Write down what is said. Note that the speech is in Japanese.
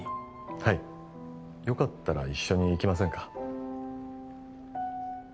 はいよかったら一緒に行きませんか？